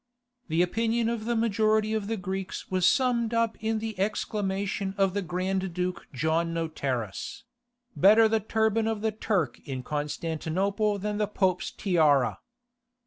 The opinion of the majority of the Greeks was summed up in the exclamation of the Grand Duke John Notaras—"Better the turban of the Turk in Constantinople than the Pope's Tiara."